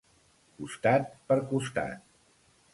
Costat per costat.